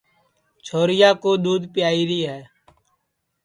چھوریا کُو دؔودھ پیائیری ہے